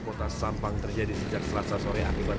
kota sampang terjadi sejak selasa sore akibat